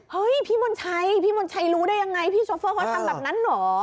พี่มนชัยพี่มนชัยรู้ได้ยังไงพี่โชเฟอร์เขาทำแบบนั้นเหรอ